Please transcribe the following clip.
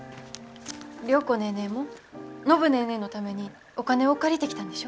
良子ネーネーも暢ネーネーのためにお金を借りてきたんでしょ？